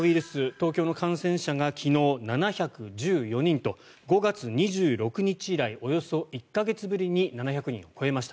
東京の感染者が昨日７１４人と５月２６日以来およそ１か月ぶりに７００人を超えました。